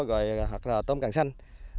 hoặc là tôm càng xanh